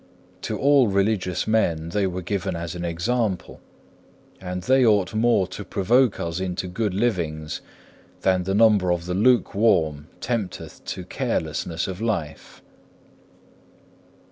To all religious men they were given as an example, and they ought more to provoke us unto good livings than the number of the lukewarm tempteth to carelessness of life.